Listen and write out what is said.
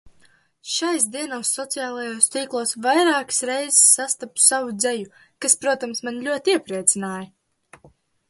Šais dienās soc. tīklos vairākas reizes sastapu savu dzeju, kas, protams, mani ļoti iepriecināja.